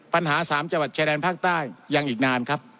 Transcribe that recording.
ปัญหา๓จังหวัดชายแดนภาคใต้ยังอีกนานครับ